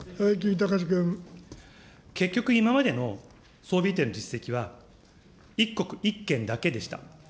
結局、今までの装備移転の実績は、一国一件だけでした。